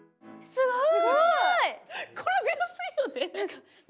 すごい！